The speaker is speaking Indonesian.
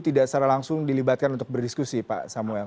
tidak secara langsung dilibatkan untuk berdiskusi pak samuel